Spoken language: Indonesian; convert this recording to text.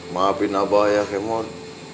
maafin abah ya kemot